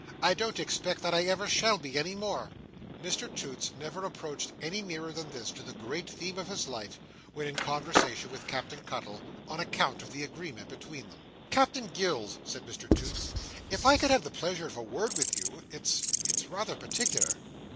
I don't expect that I ever shall be any more." Mr Toots never approached any nearer than this to the great theme of his life, when in conversation with Captain Cuttle, on account of the agreement between them. "Captain Gills," said Mr Toots, "if I could have the pleasure of a word with you, it's—it's rather particular."